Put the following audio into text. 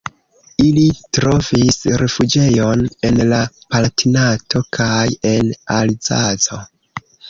Ili trovis rifuĝejon en la Palatinato kaj en Alzaco.